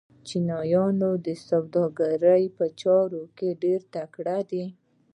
چینایان د سوداګرۍ په چارو کې ډېر تکړه دي.